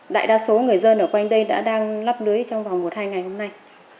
đại đa số người dân ở quanh đây đã đang lắp lưới trong vòng một hai ngày hôm nay